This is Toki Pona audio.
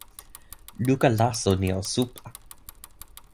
luka laso ni o supa!